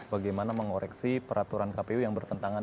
bagaimana mengoreksi peraturan kpu yang bertentangan